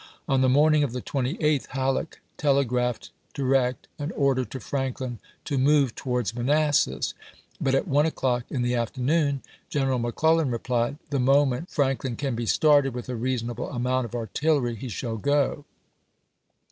On the morning of the 28th Halleck telegraphed, direct, an order to Franklin to voY"xii., Part III move towards Manassas, but at one o'clock in the p. 707. " afternoon General McClellan replied, " The moment Franklin can be started with a reasonable amount of artillery he shall go."